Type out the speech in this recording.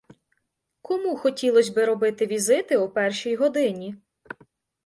Кому хотілось би робити візити о першій годині?